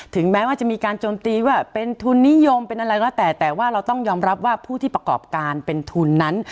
ถึงแม้ว่าจะมีการโจมตีว่าเป็นทุนนิยมเป็นอะไรก็แล้วแต่แต่ว่าเราต้องยอมรับว่าผู้ที่ประกอบการเป็นทุนนั้น